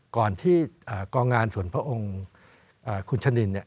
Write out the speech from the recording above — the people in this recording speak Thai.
ก่อนที่กองงานส่วนพระองค์คุณชะนินเนี่ย